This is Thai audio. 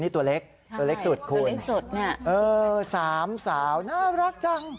นี่ตัวเล็กตัวเล็กสุดคุณสามสาวน่ารักจัง